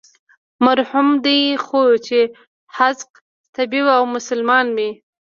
محرم دى خو چې حاذق طبيب او مسلمان وي.